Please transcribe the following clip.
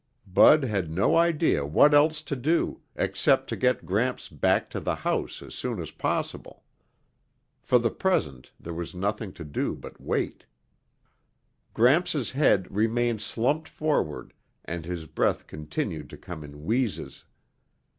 Bud had no idea what else to do except to get Gramps back to the house as soon as possible. For the present there was nothing to do but wait. Gramps' head remained slumped forward and his breath continued to come in wheezes.